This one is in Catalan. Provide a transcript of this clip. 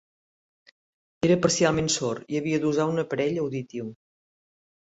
Era parcialment sord, i havia d'usar un aparell auditiu.